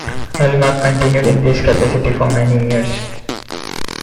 Alma continued in this capacity for many years.